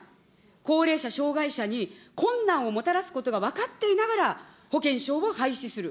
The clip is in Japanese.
高齢者、障害者に困難をもたらすことが分かっていながら、保険証を廃止する。